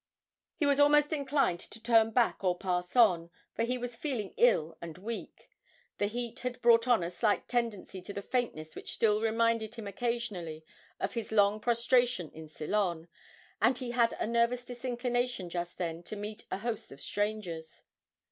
He was almost inclined to turn back or pass on, for he was feeling ill and weak the heat had brought on a slight tendency to the faintness which still reminded him occasionally of his long prostration in Ceylon, and he had a nervous disinclination just then to meet a host of strangers.